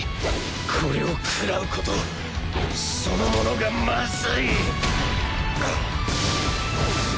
これを食らうことそのものがまずい！